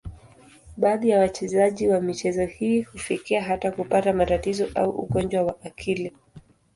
Baadhi ya wachezaji wa michezo hii hufikia hata kupata matatizo au ugonjwa wa akili.